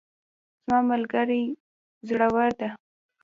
زما ملګری زړور ده